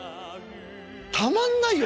たまんないよ